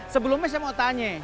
sebelumnya saya mau tanya